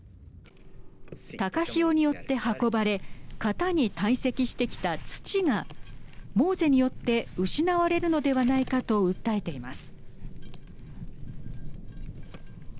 高潮によって運ばれ潟に堆積してきた土がＭｏＳＥによって失われるのではないかと訴えています。